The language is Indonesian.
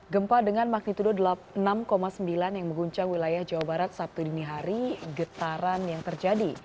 gempa dengan magnitudo enam sembilan yang mengguncang wilayah jawa barat sabtu dini hari getaran yang terjadi